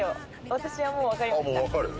私はもう分かりました。